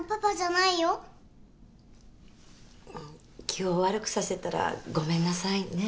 気を悪くさせたらごめんなさいね。